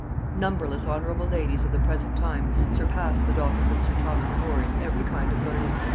] "Numberless honorable ladies of the present time surpass the daughters of sir Thomas More in every kind of learning.